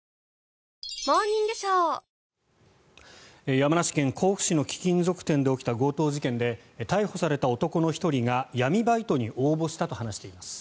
山梨県甲府市の貴金属店で起きた強盗事件で逮捕された男の１人が闇バイトに応募したと話しています。